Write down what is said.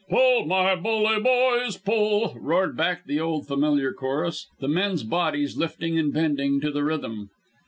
"'Pull, my bully boys, pull!'" roared back the old familiar chorus, the men's bodies lifting and bending to the rhythm.